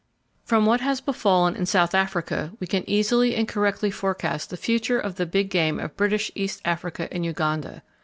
From what has befallen in South Africa, we can easily and correctly forecast the future of the big game of British East Africa and Uganda.